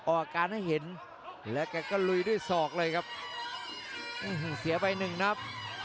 ออกการให้เห็นแล้วแกก็ลุยด้วยศอกเลยครับเสียไปหนึ่งนับ